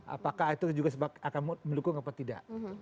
apakah itu juga akan mendukung apa tidak